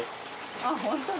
あっホントだ。